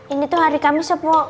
ini tuh hari kamis apa